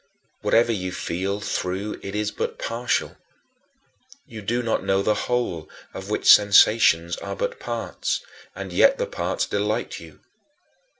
Whatever you feel through it is but partial. You do not know the whole, of which sensations are but parts; and yet the parts delight you.